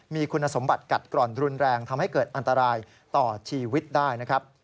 มีคุณสมบัติกัดกร่อนรุนแรงทำให้เกิดอันตรายต่อชีวิตได้นะครับ